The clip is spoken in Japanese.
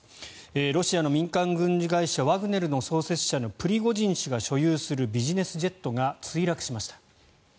ロシアの民間軍事会社ワグネルの創設者のプリゴジン氏が所有するビジネスジェットが墜落しました。